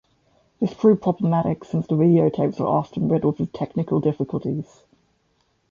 This proved problematic since the videotapes were often riddled with technical difficulties.